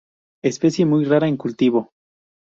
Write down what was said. Especie muy rara en cultivo.